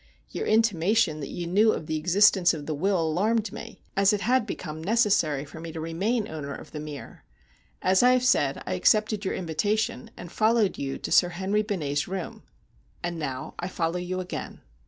Your intimation that you knew of the existence of the will alarmed me, as it had become necessary for me to remain owner of The Mere. As I have said, I accepted your invitation, and followed you to Sir Henry Benet's room; and now I follow you again."